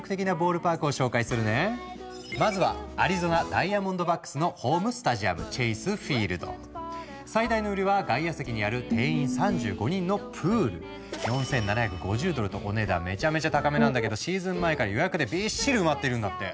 まずは最大の売りは４７５０ドルとお値段めちゃめちゃ高めなんだけどシーズン前から予約でビッシリ埋まっているんだって。